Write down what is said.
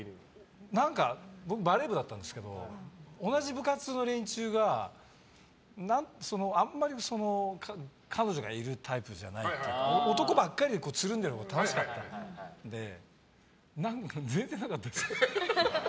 僕、バレー部だったんですけど同じ部活の連中があんまり彼女がいるタイプじゃなくて男ばっかりでつるんでいるほうが楽しかったので全然なかったですよ。